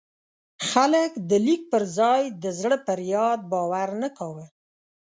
خلک د لیک پر ځای د زړه پر یاد باور نه کاوه.